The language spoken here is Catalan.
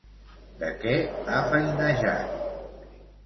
De què ha feinejat?